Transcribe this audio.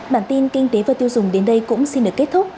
bản tin kinh tế và tiêu dùng đến đây cũng xin được kết thúc